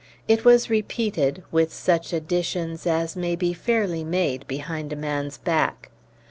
It was repeated, with such additions as may be fairly made behind a man's back.